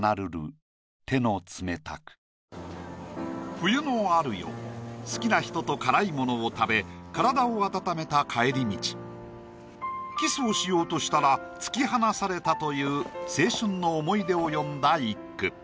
冬のある夜好きな人と辛いものを食べ体を温めた帰り道キスをしようとしたら突き放されたという青春の思い出を詠んだ一句。